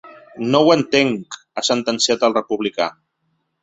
No ho entenc, ha sentenciat el republicà.